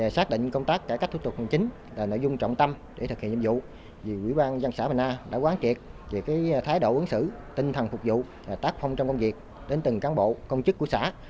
xác định công tác cải cách thủ tục hình chính là nội dung trọng tâm để thực hiện nhiệm vụ vì quỹ ban dân xã bình a đã quán triệt về thái độ ứng xử tinh thần phục vụ tác phong trong công việc đến từng cán bộ công chức của xã